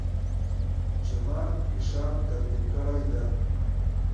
چې Mark Isham ترتيب کړې ده.